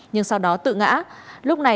nhưng sau đó tự ngã